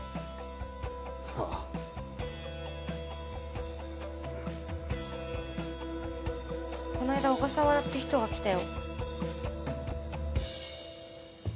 さあこないだ小笠原って人が来たよ